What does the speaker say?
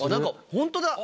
本当だ！